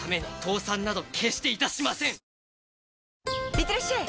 いってらっしゃい！